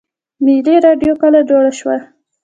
ملي راډیو کله جوړه شوه؟